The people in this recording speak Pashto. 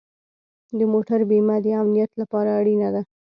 د موټر بیمه د امنیت لپاره اړینه ده.